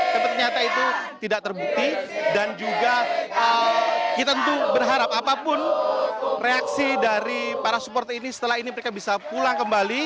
ternyata itu tidak terbukti dan juga kita tentu berharap apapun reaksi dari para supporter ini setelah ini mereka bisa pulang kembali